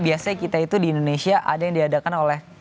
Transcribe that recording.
biasanya kita itu di indonesia ada yang diadakan oleh